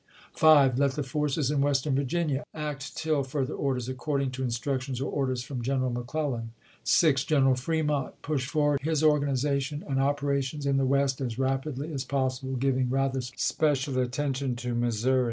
5. Let the forces in Western Vhginia act tOl further orders according to instructions or orders from General McClellan. 6. General Fremont push forward his organization and operations in the West as rapidly as possible, giving rather special attention to Missouri.